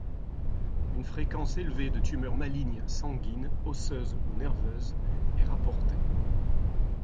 Une fréquence élevée de tumeurs malignes sanguines, osseuses ou nerveuses est rapportée.